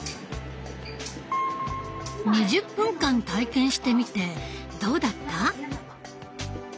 ２０分間体験してみてどうだった？